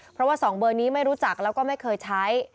เพราะว่า๒เบอร์นี้ไม่รู้จักแล้วก็ไม่เคยใช้